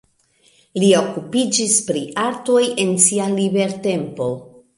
Li okupiĝis pri artoj en sia libertempo.